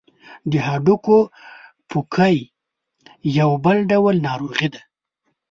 د هډوکو پوکی یو بل ډول ناروغي ده.